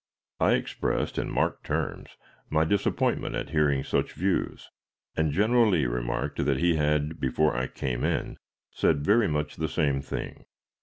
I expressed, in marked terms, my disappointment at hearing such views, and General Lee remarked that he had, before I came in, said very much the same thing.